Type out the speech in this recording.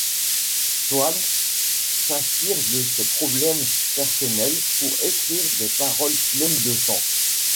Schwab s'inspire de ses problèmes personnels pour écrire des paroles pleines de sens.